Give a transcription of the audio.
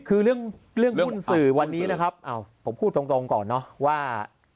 คือเรื่องหุ้นสื่อวันนี้นะครับผมพูดตรงก่อนเนอะว่า